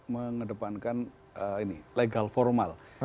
mengedepankan legal formal